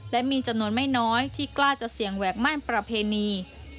และมีจำนวนไม่น้อยที่กล้าจะเสี่ยงแหวกม่านประเพณี